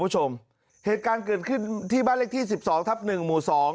เหตุการณ์เกิดขึ้นที่บ้านเลขที่๑๒ทับ๑มู๒